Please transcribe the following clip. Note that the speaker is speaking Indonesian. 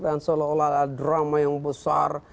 dan seolah olah drama yang besar